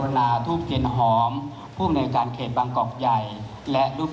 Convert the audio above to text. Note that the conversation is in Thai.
ถือว่าชีวิตที่ผ่านมายังมีความเสียหายแก่ตนและผู้อื่น